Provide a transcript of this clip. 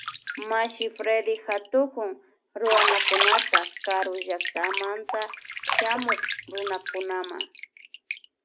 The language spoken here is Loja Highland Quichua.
Mashi Fredy katukun Ruanakunata karu llaktamanta shamuk Runakunama.